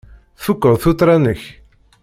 Tfukeḍ tuttra-nnek?